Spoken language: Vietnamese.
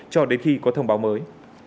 cho đến khi có thông báo mới